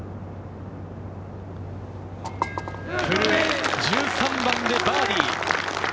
古江、１３番でバーディー。